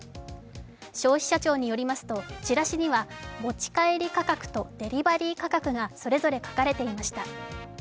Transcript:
消費者庁によりますと、チラシには持ち帰り価格と、デリバリー価格がそれぞれ書かれていました。